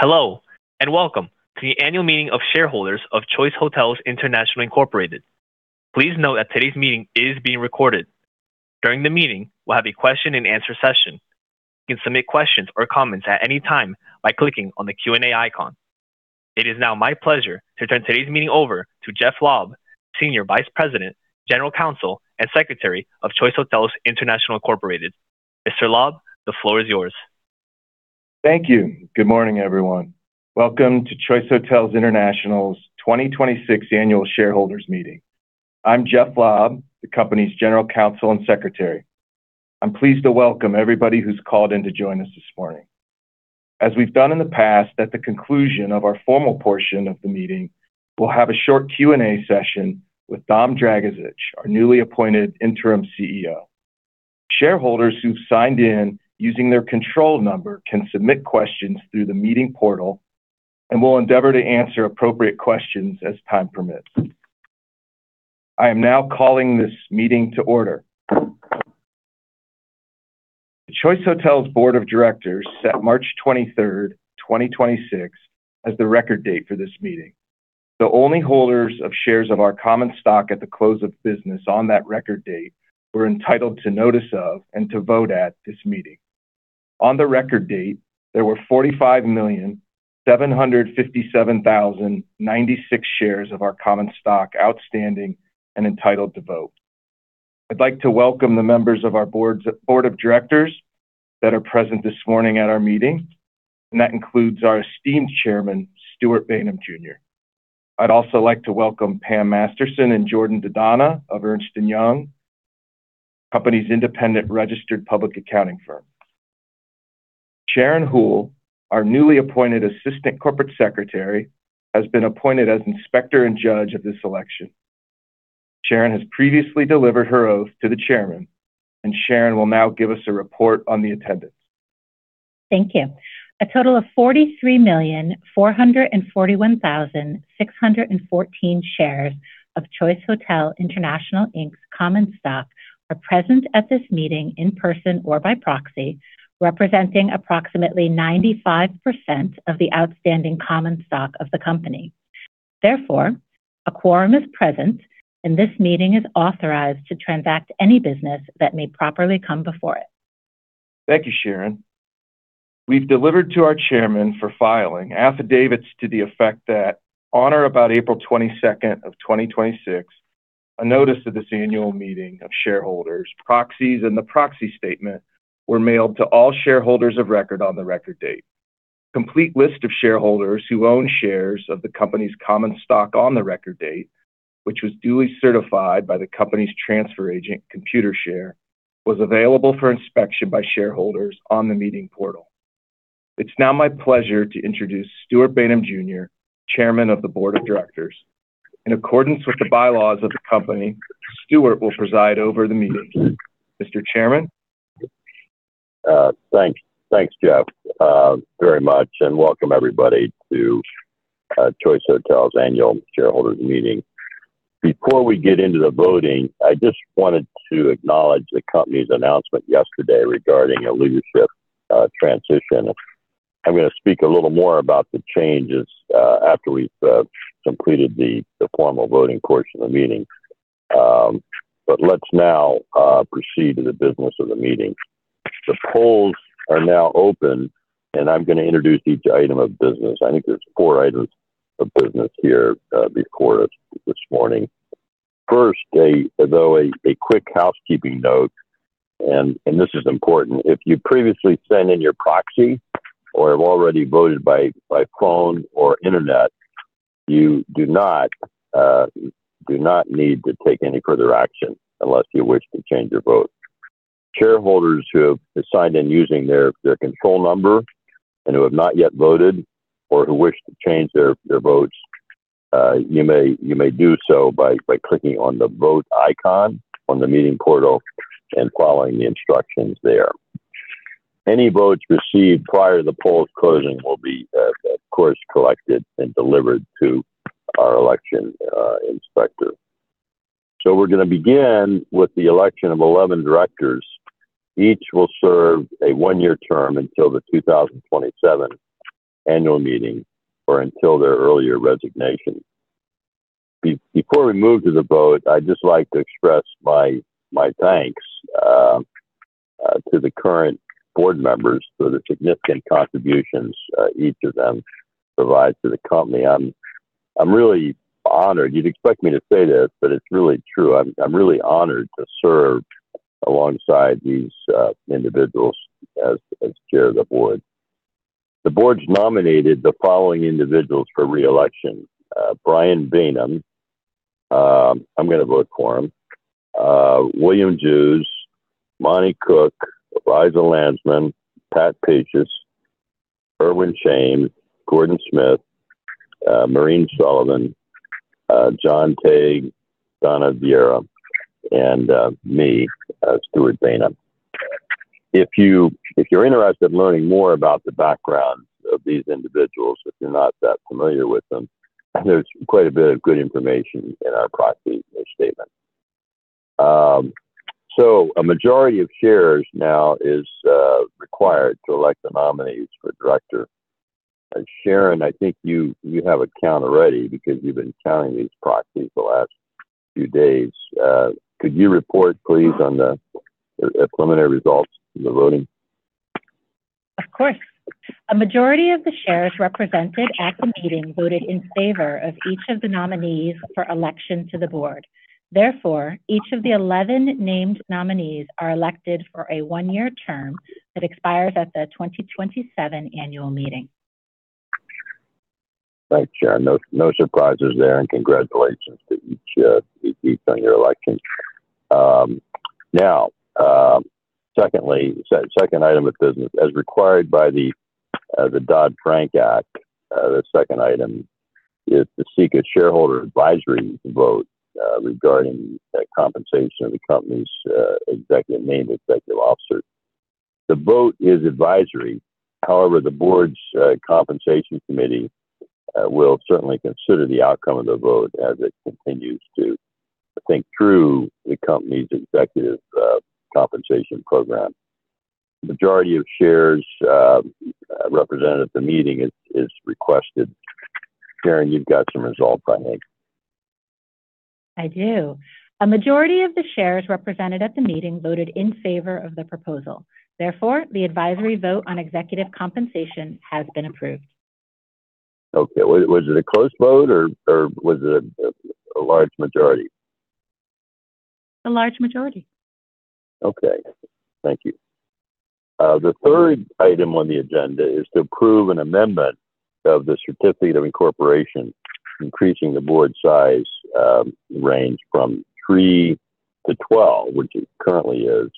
Hello, and Welcome to the annual meeting of shareholders of Choice Hotels International Inc. Please note that today's meeting is being recorded. During the meeting, we'll have a question and answer session. You can submit questions or comments at any time by clicking on the Q&A icon. It is now my pleasure to turn today's meeting over to Jeff Lobb, Senior Vice President, General Counsel, and Secretary of Choice Hotels International Inc. Mr. Lobb, the floor is yours. Thank you. Good morning, everyone. Welcome to Choice Hotels International's 2026 Annual Shareholders Meeting. I'm Jeff Lobb, the company's General Counsel and Secretary. I'm pleased to welcome everybody who's called in to join us this morning. As we've done in the past, at the conclusion of our formal portion of the meeting, we'll have a short Q&A session with Dom Dragisich, our newly appointed Interim CEO. Shareholders who've signed in using their control number can submit questions through the meeting portal, and we'll endeavor to answer appropriate questions as time permits. I am now calling this meeting to order. Choice Hotels' board of directors set March 23rd, 2026 as the record date for this meeting. The only holders of shares of our common stock at the close of business on that record date were entitled to notice of and to vote at this meeting. On the record date, there were 45,757,096 shares of our common stock outstanding and entitled to vote. I'd like to welcome the members of our board of directors that are present this morning at our meeting, and that includes our esteemed Chairman, Stewart Bainum Jr. I'd also like to welcome Pam Masterson and Jordan Dedonna of Ernst & Young, the company's independent registered public accounting firm. Sharon Houle, our newly appointed Assistant Corporate Secretary, has been appointed as inspector and judge of this election. Sharon has previously delivered her oath to the Chairman, and Sharon will now give us a report on the attendance. Thank you. A total of 43,441,614 shares of Choice Hotels International Inc's common stock are present at this meeting in person or by proxy, representing approximately 95% of the outstanding common stock of the company. Therefore, a quorum is present, and this meeting is authorized to transact any business that may properly come before it. Thank you, Sharon. We've delivered to our chairman for filing affidavits to the effect that on or about April 22nd of 2026, a notice of this annual meeting of shareholders, proxies, and the proxy statement were mailed to all shareholders of record on the record date. Complete list of shareholders who own shares of the company's common stock on the record date, which was duly certified by the company's transfer agent, Computershare, was available for inspection by shareholders on the meeting portal. It's now my pleasure to introduce Stewart Bainum Jr, Chairman of the Board of Directors. In accordance with the bylaws of the company, Stewart will preside over the meeting. Mr. Chairman. Thanks, Jeff, very much, and welcome everybody to Choice Hotels' annual shareholders meeting. Before we get into the voting, I just wanted to acknowledge the company's announcement yesterday regarding a leadership transition. I'm going to speak a little more about the changes after we've completed the formal voting portion of the meeting. Let's now proceed to the business of the meeting. The polls are now open, and I'm going to introduce each item of business. I think there's four items of business here before us this morning. First, though, a quick housekeeping note, and this is important. If you previously sent in your proxy or have already voted by phone or internet, you do not need to take any further action unless you wish to change your vote. Shareholders who have signed in using their control number and who have not yet voted or who wish to change their votes, you may do so by clicking on the vote icon on the meeting portal and following the instructions there. Any votes received prior to the polls closing will be, of course, collected and delivered to our election inspector. We're going to begin with the election of 11 directors. Each will serve a one-year term until the 2027 annual meeting or until their earlier resignation. Before we move to the vote, I'd just like to express my thanks to the current board members for the significant contributions each of them provides to the company. You'd expect me to say this, but it's really true. I'm really honored to serve alongside these individuals as chair of the board. The board's nominated the following individuals for re-election. Brian Bainum, I'm going to vote for him. William Jews, Monte Koch, Liza Landsman, Patrick Pacious, Ervin Shames, Gordon Smith, Maureen Sullivan, John Tague, Donna Vieira, and me, Stewart Bainum. If you're interested in learning more about the background of these individuals, if you're not that familiar with them, there's quite a bit of good information in our proxy and their statement. A majority of shares now is required to elect the nominees for director. Sharon, I think you have a count already because you've been counting these proxies the last few days. Could you report, please, on the preliminary results of the voting? Of course. A majority of the shares represented at the meeting voted in favor of each of the nominees for election to the Board. Therefore, each of the 11 named nominees are elected for a one-year term that expires at the 2027 annual meeting. Thanks, Sharon. No surprises there, and congratulations to each on your election. Second item of business, as required by the Dodd-Frank Act, the second item is to seek a shareholder advisory vote regarding the compensation of the company's named executive officers. The vote is advisory. However, the board's compensation committee will certainly consider the outcome of the vote as it continues to think through the company's executive compensation program. Majority of shares represented at the meeting is requested. Sharon, you've got some results, I think. I do. A majority of the shares represented at the meeting voted in favor of the proposal. Therefore, the advisory vote on executive compensation has been approved. Okay. Was it a close vote or was it a large majority? A large majority. Okay. Thank you. The third item on the agenda is to approve an amendment of the certificate of incorporation, increasing the board size range from 3 to 12, which it currently is,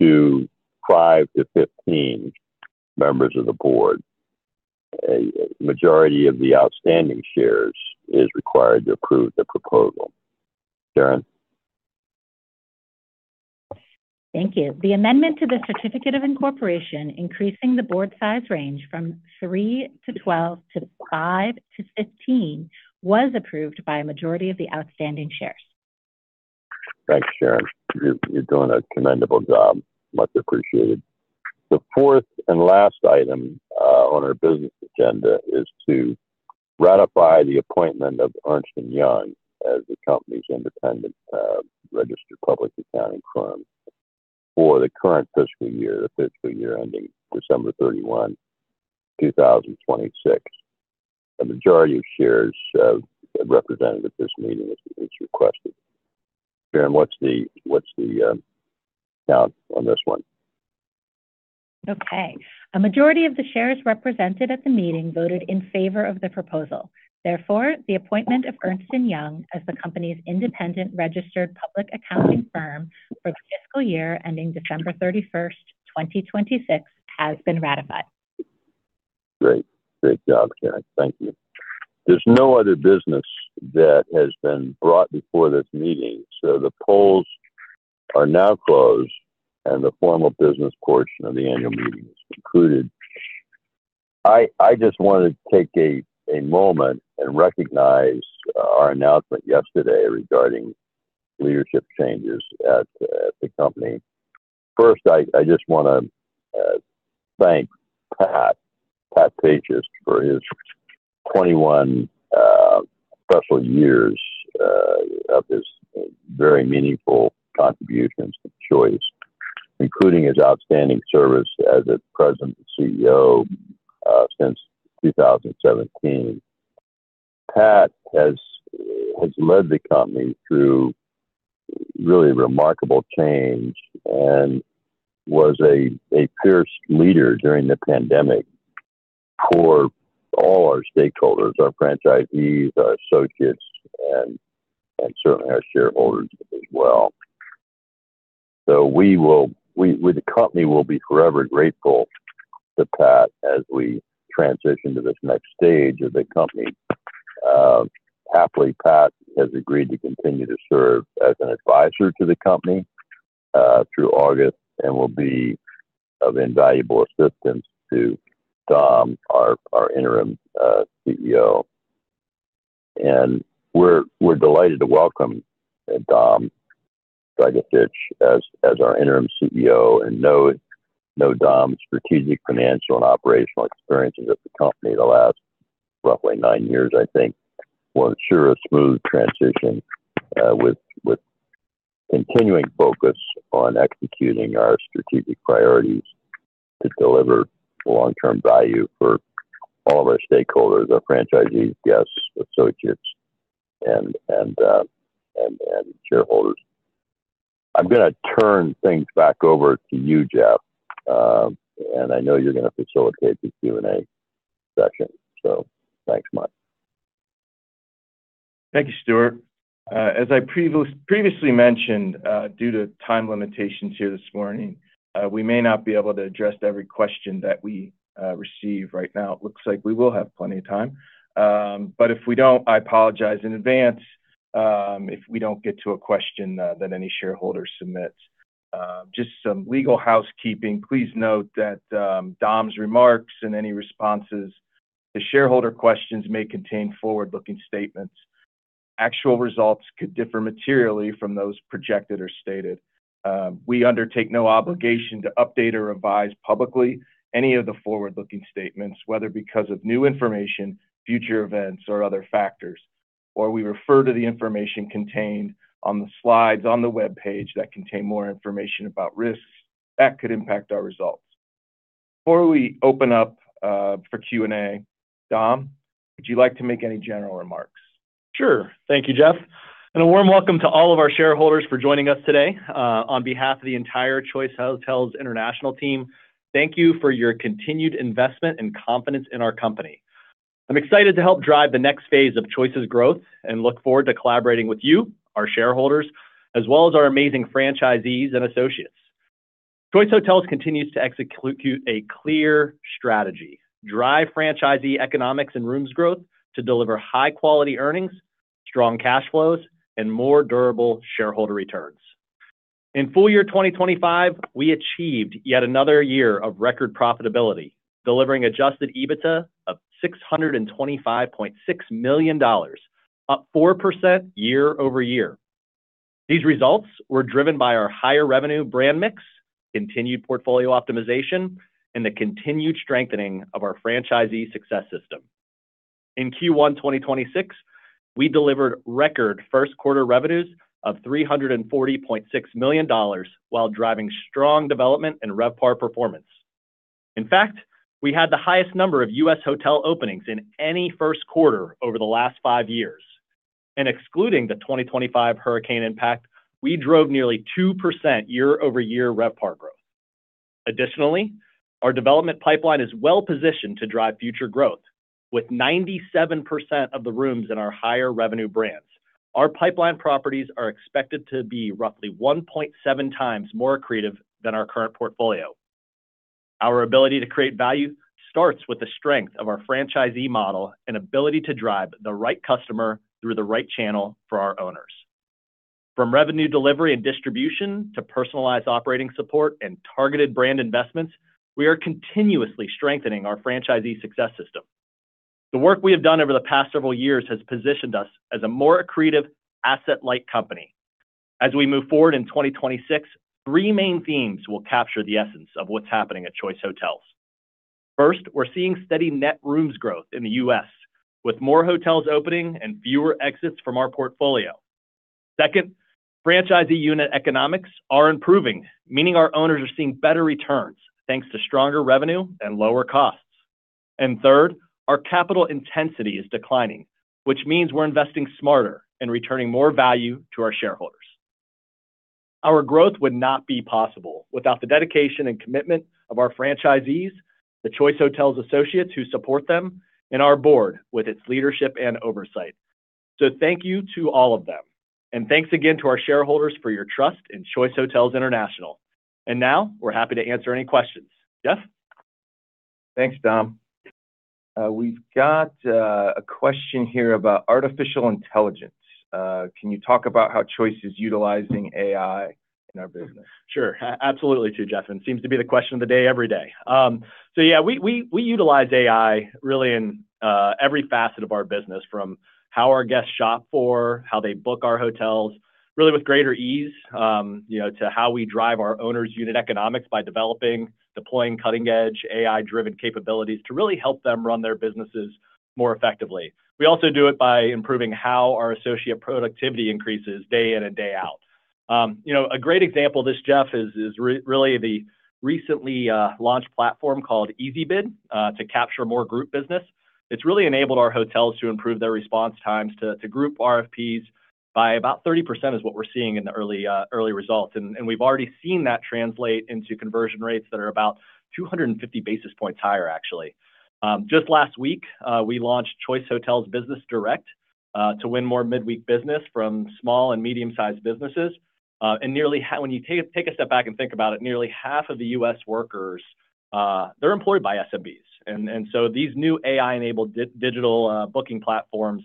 to 5 to 15 members of the board. A majority of the outstanding shares is required to approve the proposal. Sharon? Thank you. The amendment to the certificate of incorporation increasing the board size range from 3-12 to 5-15 was approved by a majority of the outstanding shares. Thanks, Sharon. You're doing a commendable job. Much appreciated. The fourth and last item on our business agenda is to ratify the appointment of Ernst & Young as the company's independent registered public accounting firm for the current fiscal year, the fiscal year ending December 31, 2026. A majority of shares represented at this meeting is requested. Sharon, what's the count on this one? A majority of the shares represented at the meeting voted in favor of the proposal. Therefore, the appointment of Ernst & Young as the company's independent registered public accounting firm for the fiscal year ending December 31st, 2026, has been ratified. Great. Great job, Sharon. Thank you. There's no other business that has been brought before this meeting, so the polls are now closed, and the formal business portion of the annual meeting is concluded. I just want to take a moment and recognize our announcement yesterday regarding leadership changes at the company. First, I just want to thank Pat, Patrick Pacious, for his 21 special years of his very meaningful contributions to Choice, including his outstanding service as a President and CEO since 2017. Pat has led the company through really remarkable change and was a fierce leader during the pandemic for all our stakeholders, our franchisees, our associates, and certainly our shareholders as well. We, the company, will be forever grateful to Pat as we transition to this next stage of the company. Happily, Pat has agreed to continue to serve as an advisor to the company through August and will be of invaluable assistance to Dom, our Interim CEO. We're delighted to welcome Dom Dragisich as our Interim CEO, and know Dom's strategic, financial, and operational experiences at the company the last roughly nine years, I think, will ensure a smooth transition with continuing focus on executing our strategic priorities to deliver long-term value for all of our stakeholders, our franchisees, guests, associates, and shareholders. I'm going to turn things back over to you, Jeff, and I know you're going to facilitate the Q&A session. Thanks a much. Thank you, Stewart. As I previously mentioned, due to time limitations here this morning, we may not be able to address every question that we receive right now. It looks like we will have plenty of time. If we don't, I apologize in advance if we don't get to a question that any shareholder submits. Just some legal housekeeping. Please note that Dom's remarks and any responses to shareholder questions may contain forward-looking statements. Actual results could differ materially from those projected or stated. We undertake no obligation to update or revise publicly any of the forward-looking statements, whether because of new information, future events, or other factors. We refer to the information contained on the slides on the webpage that contain more information about risks that could impact our results. Before we open up for Q&A, Dom, would you like to make any general remarks? Sure. Thank you, Jeff, and a warm welcome to all of our shareholders for joining us today. On behalf of the entire Choice Hotels International team, thank you for your continued investment and confidence in our company. I'm excited to help drive the next phase of Choice's growth and look forward to collaborating with you, our shareholders, as well as our amazing franchisees and associates. Choice Hotels continues to execute a clear strategy, drive franchisee economics and rooms growth to deliver high-quality earnings, strong cash flows, and more durable shareholder returns. In full year 2025, we achieved yet another year of record profitability, delivering adjusted EBITDA of $625.6 million, up 4% year-over-year. These results were driven by our higher revenue brand mix, continued portfolio optimization, and the continued strengthening of our franchisee success system. In Q1 2026, we delivered record first quarter revenues of $340.6 million while driving strong development and RevPAR performance. In fact, we had the highest number of U.S. hotel openings in any first quarter over the last five years. Excluding the 2025 hurricane impact, we drove nearly 2% year-over-year RevPAR growth. Additionally, our development pipeline is well-positioned to drive future growth, with 97% of the rooms in our higher revenue brands. Our pipeline properties are expected to be roughly 1.7x more accretive than our current portfolio. Our ability to create value starts with the strength of our franchisee model and ability to drive the right customer through the right channel for our owners. From revenue delivery and distribution to personalized operating support and targeted brand investments, we are continuously strengthening our franchisee success system. The work we have done over the past several years has positioned us as a more accretive asset-light company. As we move forward in 2026, three main themes will capture the essence of what's happening at Choice Hotels. First, we're seeing steady net rooms growth in the U.S., with more hotels opening and fewer exits from our portfolio. Second, franchisee unit economics are improving, meaning our owners are seeing better returns thanks to stronger revenue and lower costs. Third, our capital intensity is declining, which means we're investing smarter and returning more value to our shareholders. Our growth would not be possible without the dedication and commitment of our franchisees, the Choice Hotels associates who support them, and our board with its leadership and oversight. Thank you to all of them, and thanks again to our shareholders for your trust in Choice Hotels International. Now, we're happy to answer any questions. Jeff? Thanks, Dom. We've got a question here about artificial intelligence. "Can you talk about how Choice is utilizing AI in our business?" Sure. Absolutely too, Jeff. It seems to be the question of the day every day. Yeah, we utilize AI really in every facet of our business from how our guests shop for, how they book our hotels, really with greater ease, to how we drive our owners' unit economics by developing, deploying cutting-edge AI-driven capabilities to really help them run their businesses more effectively. We also do it by improving how our associate productivity increases day in and day out. A great example of this, Jeff, is really the recently launched platform called EasyBid to capture more group business. It's really enabled our hotels to improve their response times to group RFPs by about 30%, is what we're seeing in the early results. We've already seen that translate into conversion rates that are about 250 basis points higher, actually. Just last week, we launched Choice Hotels Business Direct to win more midweek business from small and medium-sized businesses. When you take a step back and think about it, nearly half of the U.S. workers, they're employed by SMBs. These new AI-enabled digital booking platforms,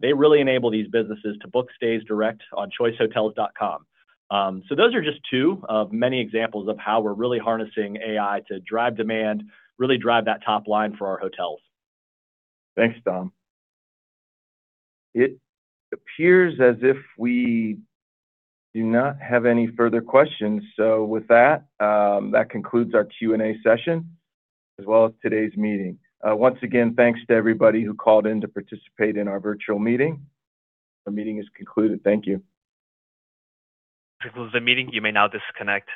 they really enable these businesses to book stays direct on choicehotels.com. Those are just two of many examples of how we're really harnessing AI to drive demand, really drive that top line for our hotels. Thanks, Dom. It appears as if we do not have any further questions. With that concludes our Q&A session as well as today's meeting. Once again, thanks to everybody who called in to participate in our virtual meeting. The meeting is concluded. Thank you. That concludes the meeting. You may now disconnect.